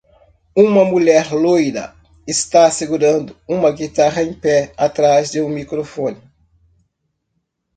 Uma mulher loira está segurando uma guitarra em pé atrás de um microfone.